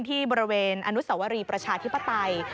ที่บริเวณอนุสวรีประชาธิปไตย